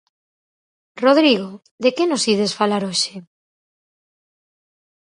Rodrigo, de que nos ides falar hoxe?